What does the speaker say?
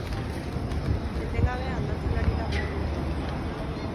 Etengabe aldatzen ari da gure mundu hau.